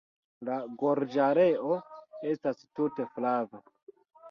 La gorĝareo estas tute flava.